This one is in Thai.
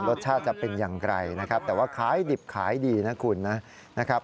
จะเป็นอย่างไรนะครับแต่ว่าขายดิบขายดีนะคุณนะครับ